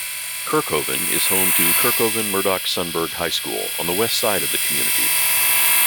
Kerkhoven is home to Kerkhoven-Murdock-Sunburg High School on the west side of the community.